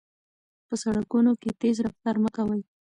په سړکونو کې تېز رفتار مه کوئ.